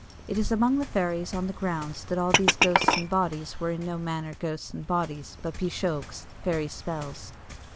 It is among the fairies on the grounds that all these ghosts and bodies were in no manner ghosts and bodies, but pishogues fairy spells.